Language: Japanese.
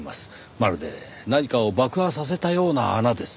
まるで何かを爆破させたような穴です。